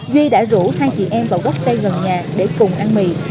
duy đã rủ hai chị em vào gốc cây gần nhà để cùng ăn mì